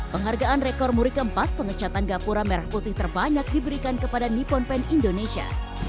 penghargaan rekor muri keempat pengecatan gapura merah putih terbanyak diberikan kepada nippon pen indonesia